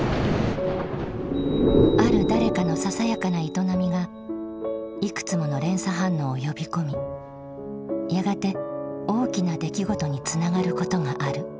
ある誰かのささやかな営みがいくつもの連鎖反応を呼び込みやがて大きな出来事につながることがある。